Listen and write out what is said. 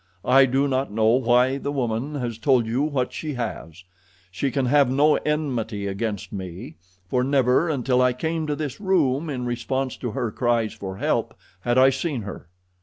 I do not know why the woman has told you what she has. She can have no enmity against me, for never until I came to this room in response to her cries for help had I seen her."